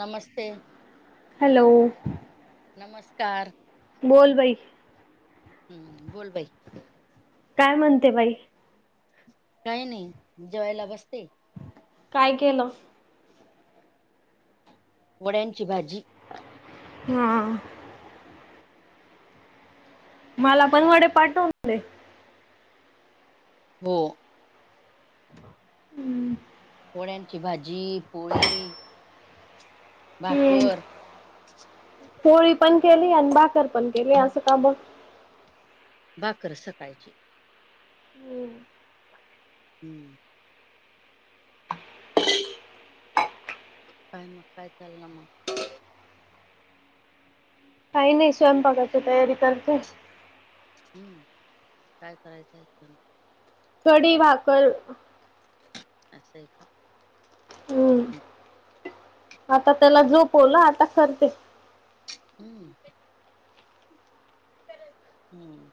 नमस्ते, hello नमस्कार. बोल बाई. हम्म, बोल बाई. काय म्हणते बाई? काय नाही, जेवायला बसते. काय केलं? वड्यांची भाजी. हा. मला पण वडे पाठवून दे. हो. हम्म. वड्यांची भाजी, पोळी, भाकर. [unintelligible] पोळी पण केली, आणि भाकर पण केली, असं का बरं? भाकर सकाळची. हम्म. हम्म. काय मग, काय चाल मग? काही नाही, स्वयंपाकाची तयारी करते. हम्म, काय करायचंय स्वयंपाक? कढी, भाकर. असंय का? हम्म, आता त्याला झोपवलं आता करते. हम्म हम्म.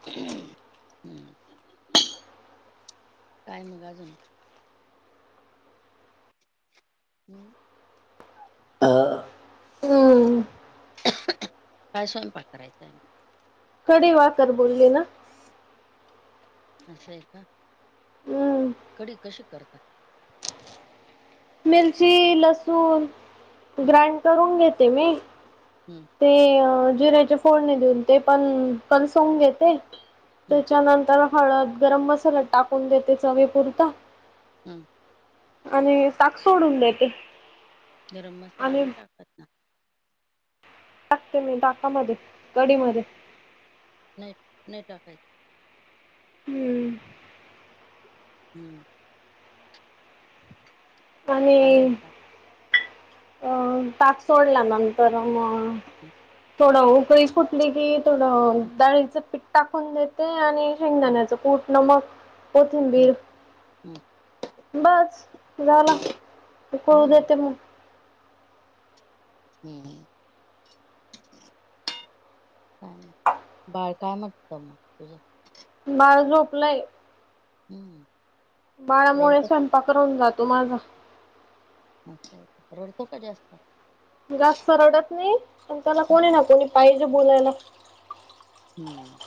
[inaudible] काय मग अजून? हम्म. अ. [unintelligible] काय स्वयंपाक करायचं आहे मग? कढी, भाकर बोलली ना. असं आहे का? हम्म कढी कशी करतात. मिरची, लसूण हम्म ग्राईंड करून घेते मी हम्म. ते जिऱ्याची फोडणी देऊन ते पण कलसून घेते. हम्म त्याच्यानंतर हळद गरम मसाला टाकून देते चवी पुरता हम् [inaudible] आणि ताक सोडून देते. गरम मसाला आणि नाई टाकत. ना टाकते मी ताकामध्ये कढी मध्ये नाही नाही टाकायच हम्म हम्म आणि अजून काय अ ताक सोडल्या नंतर मग हम्म थोडं उकळी फुटली बी थोडं डाळीचं पीठ टाकून देते आणि हम्म शेंगदाण्याचं कूट, नमक, हम्म. कोथिंबीर हम्म बस झाला [inaudible] उकळु हम्म देते मग. हम्म [inaudible] काय नाही बाळ काय म्हणत मग तुझं बाळ झोपलंय. हम्म बाळामुळे रडत स्वयंपाक राहुन जातो माझा. अच्छा! रडतो का जास्त? जास्त रडत नाही. पण त्याला हम्म कोणी ना कोणी पाहिजे बोलायला. हम्म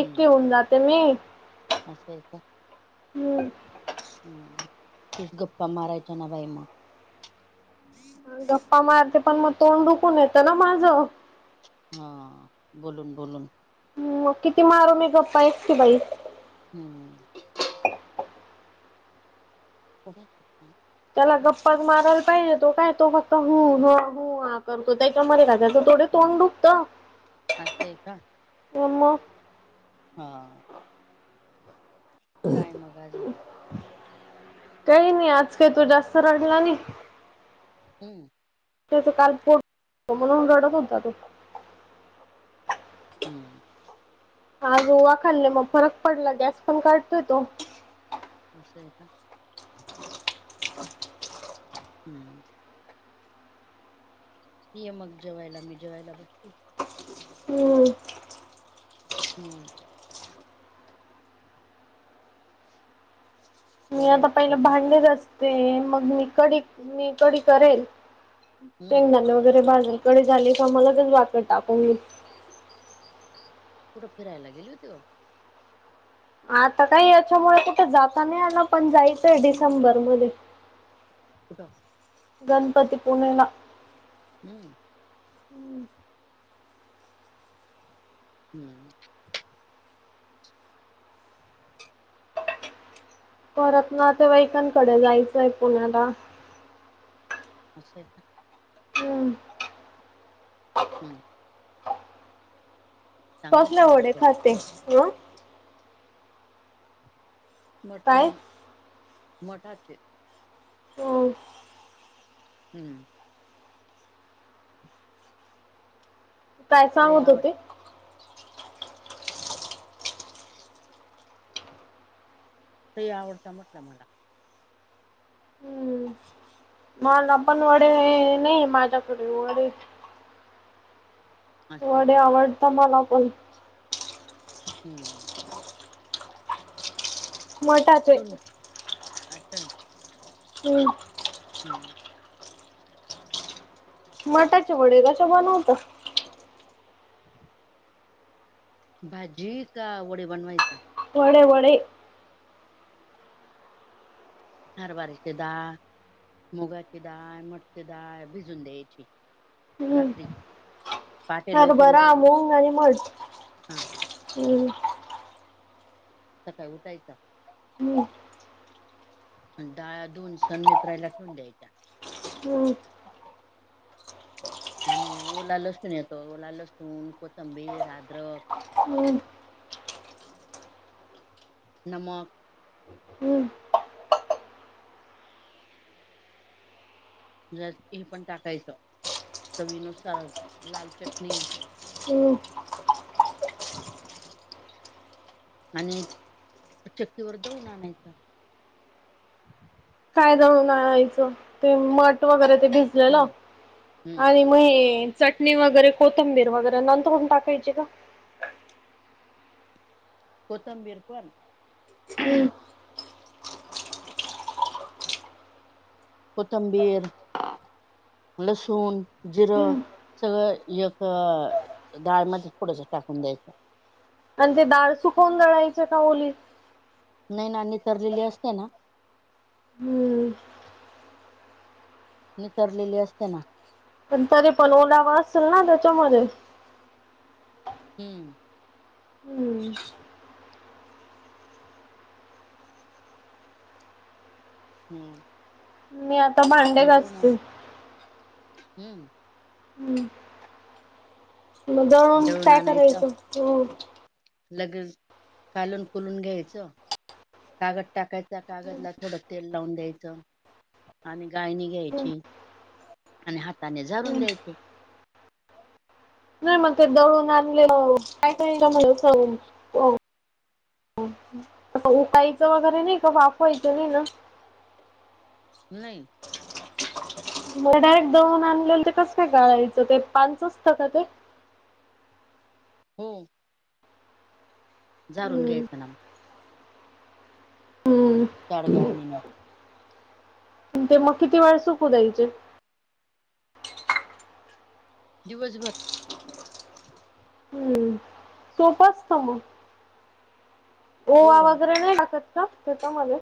एकटी येऊन जाते मी? असं आहे का? हम्म हम् [inaudible] तुच गप्पा मारायचा ना बाई मग. गप्पा मारते. पण मग तोंड दुकून येतं ना माझं? हा बोलून बोलून. मग किती मारु मी? गप्पा एकटी बाई. हम पुढ [inaudible] त्याला गप्पाच मारायला पाहिजे. तो काय तो फक्त हुं ते? ह हो हो हा करतो? याच्या मध्ये काय त्याच थोडे हम्म तोंड दुखत असं आहे का [inaudible] म हा काय मग आजुन [inaudible] काही नाही आज काही तो जास्त रडला नाही. हम त्याच काल पोट [inaudible] दुखत होत. म्हणून रडत होता तो हम्म आज ओवा खाल्ले मग फरक पडला. गॅस पण काढतोय तो‌ असय आहे का? हो [inaudible] हम्म. ये मग जेवायला मी जेवायला बसते. हम्म. हम्म. मी आता वड्यांची पहिलं भाजी भांडे घसते मग मी कढी मी कढी करेल. हम्म शेंगदाणे वगैरे भाजून कढी झाली की मग लगेच वाटण टाकून घेईन. कुठं फिरायला गेली होती व? आता काही याच्यामुळे कुठे जाता नाही आल पण जायचंय डिसेंबर मधे. [inaudible] कुठं? गणपतीपुळेला. हम्म. ह. परत नातेवाईकांकडे जायचंय पुण्याला. अस आहे का? हम. हम्म. चांगलं कसल्या असेल ना वडे तर खाते? अ? मट काय नी मठाचे. हम. हम्म. काय लय सांगत आवड होते? ते आवडता म्हटलं मला. हम्म मला पण वडे नई, माझ्याकडे वडे असं आहे वडे का आवडता मला पण. हम्म हम. मठात [unintelligible] हम्. हुं. मटाचे वडे कशे बनवता? भाजी का वडे बनवायचं? वडे वडे. हरभऱ्याची डाळ, मुगाची डाळ, मटची डाळ भिजून द्यायची रात्री हम्म पहाटे लवकर हरभरा, उठायचं मूंग, आणि मठ. हा हम्. सकाळी उठायच हू. अन डाळ्या धुऊन सण् निथळायला ठेवून द्यायच्या. हम्. आणि ओला लसूण येतो. ओला लसूण, कोथंबीर, आद्रक हम. नमक हम्म जरा तेल पण टाकायचं. चवीनुसार लाल चटणी हम्. आणि चक्कीवर दळून आणायचं. काय दळून आणायचं? ते मठ वगैरे ते भिजलेलं हम्म हम्म आणि मं हे चटणी वगैरे, कोथंबीर वगैरे नंतर हून टाकायची का? कोथंबीर पण हम्म कोथंबीर, लसूण, जिर हम्म सगळं एक डाळ मधे थोडसं टाकून द्यायचं. अन ते दाळ सुकवून दळायचे का ओली? नही ना नितरलेली असते ना हम्म नितरलेली असते ना. पण तरी पण ओलावा असेल ना त्याच्यामधे? हम्म हम्म हम्म मी आता भांडे मग दळून आण घासते. हम्म हम्म. मं दळून काय करायचं? लगेच कालून कुलून घ्यायचं. कागद टाकायचा, कागद ला थोडं तेल लावून द्यायचं. आणि गाळणी घ्यायची आणि हाताने झारून द्यायचे. नाही मग ते दळून आणलेल काय [unintelligible] उकायचं वगैरे नाही का? वाफवायचं नाही ना? नही. मं डायरेक्ट दळून आणलेलं ते कसं काय गाळायचं, ते पांच असते का ते? हो. झारून हम्म घ्यायचं ना मग. हम्म. जाड गाळणीने. ते मग किती वेळ सुकू द्यायचे? दिवसभर. हम्म. सोपं असतं मग. ओवा हो वगैरे नाही टाकत का, त्यांच्यामध्ये?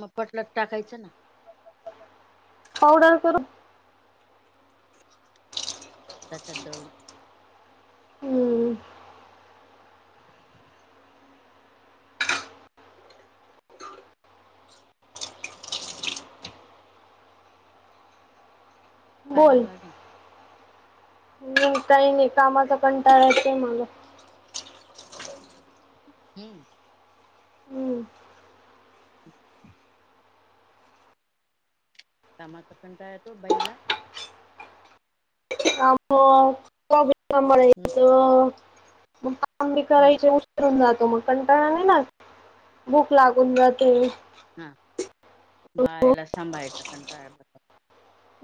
म पटलं तं टाकायचं ना. पावडर करन त्याच्यात दळून. हम्म काय बोल मग अजून? काही नही, कामाचा कंटाळा येतो य मला. हम्म.. हम्म [inaudible] कामाचा कंटाळा येतो बाईला. आ मग हम्म सांभाळायचं मग काम बी हम्म करायचे उशीरून जातो मग. कंटाळा नाही ना, भूक लागून जाते. हा बाळा ला संभाळायचा कंटाळा येतो.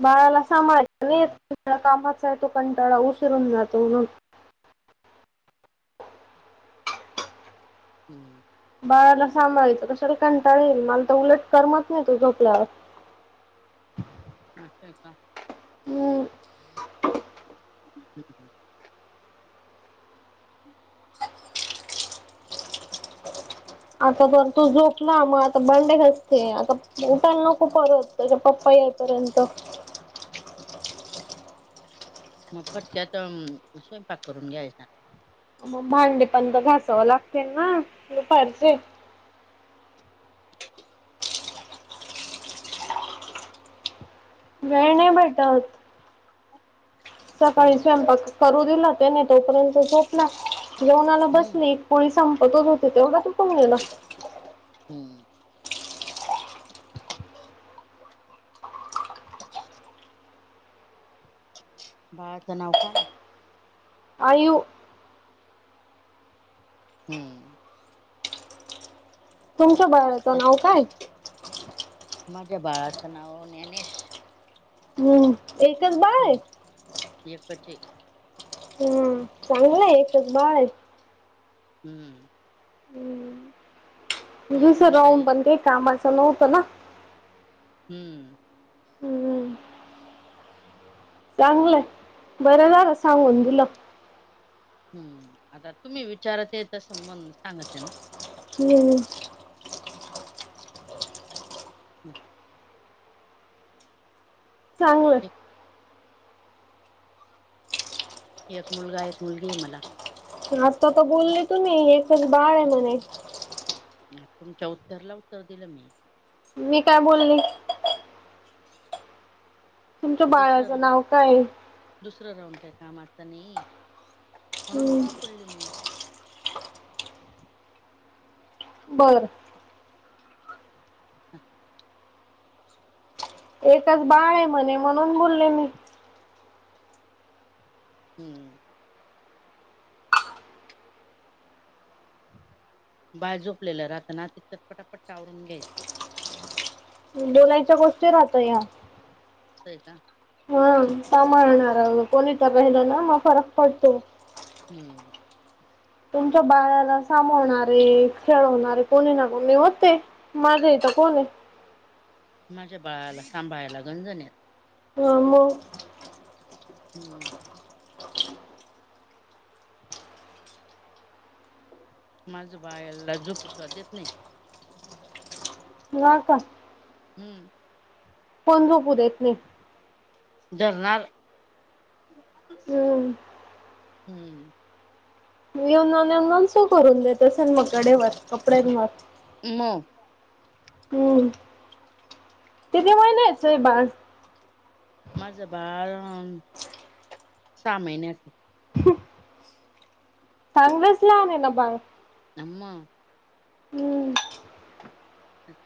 बाळाला सांभाळायचा नाही हम्म येत, कामाचा येतो कंटाळा उशिर होऊन जातो म्हणून हूम्म. बाळाला सांभाळायचं कशाला कंटाळा येईल, मला तर उलट करमत नाही तो झोपल्यावर. आस का? हूम्म. [unintelligible] हुं. आता तर तू झोपला मग आता भांडे घासते. आता चिंता नको करू तेचे पप्पा येई पर्यंत [unintelligible] मग पटक्यात स्वयंपाक करून घ्यायचा. मग भांडे पण तर घासावं लागते ना दुपारचे. वेळ नाही भेटत. सकाळी हम्म स्वयंपाक करू दिला त्याने तोपर्यंत झोपला, जेवणाला हम्म बसली पोळी संपतच होते, तेवढ्यात उठून गेला. हू. बाळाचं नाव काय ए? आयु हुं. तुमच्या बाळाचं नाव त्याच काय? माझ्या बाळाचं नाव न्यानेश. हुं. एकच बाळ हाय. हम्म एकच ए. हू चांगल हाय एकच बाळ ये. हुं. एक मोठं विसराहून आहे पण काही कामाचं नव्हतं ना. हुं. हम्म चांगल हाय, बरं झालं सांगून दिलं. हू आता तुम्ही विचारत आहे तसं म्हणून सांगा त्यांना. हू हू. [unintelligible] चांगलं एक मुलगा, एक मुलगी ये मला. आता तर बोलले तुम्ही एकच बाळ हाय म्हणे तुमच्या उत्तरला उत्तर दिलं मी. मी काय बोलले? तुमच्या दुसरं बाळाचं राऊंड नाव काय ये? दुसरं राऊंड काय कामाच नाही ये म्हणून हम्म हा बोलले मी. बरं. हां. एकच बाळ हाय म्हणे म्हणून बोलले मी. हूम्म. बाळ झोपलेलं राहता ना, तिक तर पटापट आवरून घ्यायच. बोलायच्या गोष्टी राहतया असं हे का हा सांभाळणार कोणी तर राहिलं ना मग फरक पडतो. हम्म तुमच्या बाळाला साभोळणारे, खेळवणारे कोणी ना कोणी होते. माझ्या हित कोण हे माझ्या बाळाला सांभाळायला गंजन येत हं मग हम्म माझं बायाला झोपू सुद्धा देत नाही. ना का हंम कोण झोपू देत नाही? जगाल हम्म हम्म येऊन जाऊन येऊन जाऊन सू करून देतो असल मग कडेवर, कपड्यांवर म हम्म किती महिन्याचं हे बाळ? माझं बाळ अ सहा महिन्याच चांगलंच लहान हे ना बाळ अं मग हम्म हं